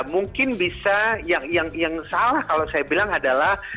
mungkin bisa yang salah kalau saya bilang adalah